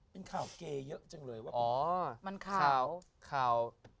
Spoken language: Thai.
เป็นข่าวเกย์เยอะจังเลยว่าอ๋อมันข่าวข่าว